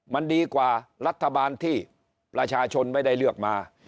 มันดีกว่ารัฐบาลที่ประชาชนไม่ได้เลือกมา